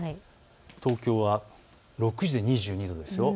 東京は６時で２２度です。